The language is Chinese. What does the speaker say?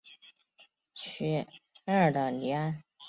屈埃尔里安。